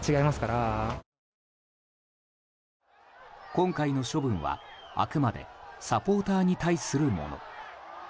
今回の処分はあくまでサポーターに対するもの。